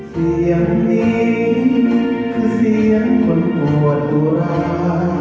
เสียงนี้คือเสียงคนปวดดุรา